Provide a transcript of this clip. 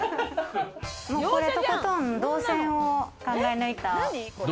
これ、とことん動線を考え抜いた。